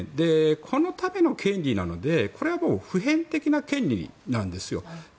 このための権利なのでこれは普遍的な権利なんですよ。